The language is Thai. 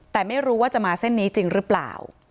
แต่ไม่รู้ว่าจะมาเส้นนี้จริงหรือเปล่า